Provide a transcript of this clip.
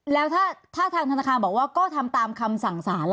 แล้วถ้าทางธนาคารบอกว่าก็ทำตามคำสั่งสารล่ะ